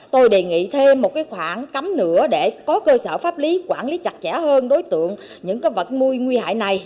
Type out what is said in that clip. tôi đề nghị thêm một khoảng cấm nữa để có cơ sở pháp lý quản lý chặt chẽ hơn đối tượng những vật nuôi nguy hại này